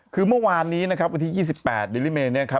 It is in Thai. คือเมื่อวานนี้วันที่๒๘ดิลิเมธ์